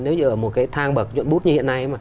nếu như ở một cái thang bậc nhuận bút như hiện nay mà